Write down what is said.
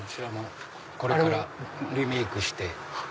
これからリメイクして。